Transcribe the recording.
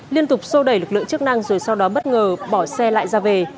liên tục sô đẩy lực lượng chức năng rồi sau đó bất ngờ bỏ xe lại ra về